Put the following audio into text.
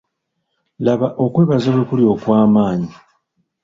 Laba okwebaza bwe kuli okw'amaanyi.